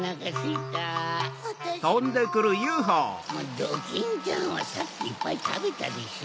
ドキンちゃんはさっきいっぱいたべたでしょ。